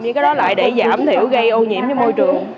những cái đó lại để giảm thiểu gây ô nhiễm cho môi trường